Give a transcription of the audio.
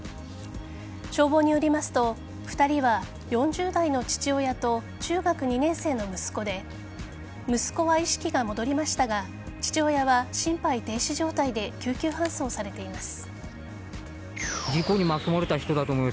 消防によりますと２人は４０代の父親と中学２年生の息子で息子は意識が戻りましたが父親は心肺停止状態で救急搬送されています。